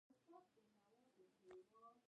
په افغانستان کې د ننګرهار تاریخ اوږد دی.